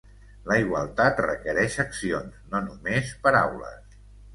La igualtat requereix accions, no només paraules.